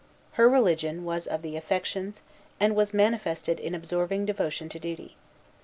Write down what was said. Her religion was of the affections, and was manifested in an absorbing devotion to duty.